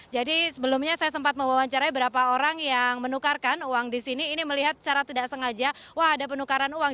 jadi sebelumnya saya sempat membawancarai beberapa orang yang menukarkan uang di sini ini melihat secara tidak sengaja wah ada penukaran uang